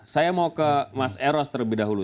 saya mau ke mas eros terlebih dahulu